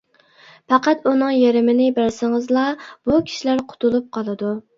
پەقەت ئۇنىڭ يېرىمىنى بەرسىڭىزلا، بۇ كىشىلەر قۇتۇلۇپ قالىدۇ.